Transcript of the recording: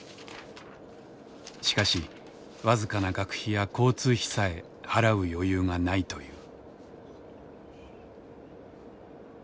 しかし僅かな学費や交通費さえ払う余裕がないという。